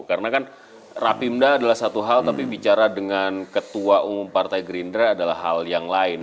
karena kan rapi muda adalah satu hal tapi bicara dengan ketua umum partai gerindra adalah hal yang lain